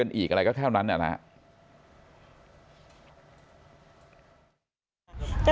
มีอีกอะไรก็แค่ว่านั้นแหละนะครับ